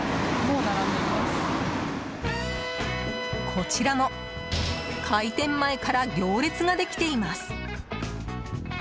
こちらも開店前から行列ができています。